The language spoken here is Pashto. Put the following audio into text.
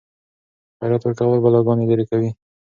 خیرات ورکول بلاګانې لیرې کوي.